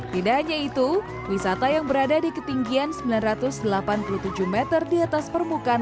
tidak hanya itu wisata yang berada di ketinggian sembilan ratus delapan puluh tujuh meter di atas permukaan